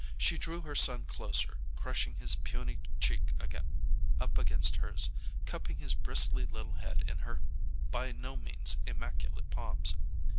She drew her son closer, crushing his puny cheek up against hers, cupping his bristly little head in her by no means immaculate palms.